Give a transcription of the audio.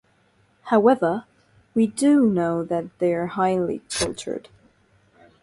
However, we do know that they were highly cultured.